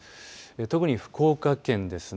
特に福岡県ですね。